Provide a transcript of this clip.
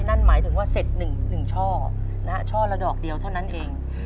นั่นหมายถึงว่าเสร็จ๑ช่อช่อละดอกเดียวเท่านั้นเอง